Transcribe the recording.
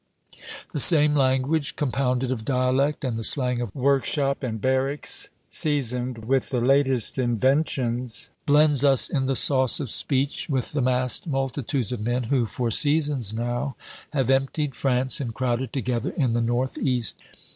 The same language, compounded of dialect and the slang of workshop and barracks, seasoned with the latest inventions, blends us in the sauce of speech with the massed multitudes of men who (for seasons now) have emptied France and crowded together in the North East.